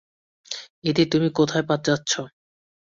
EV, তুমি কোথায় যাচ্ছ?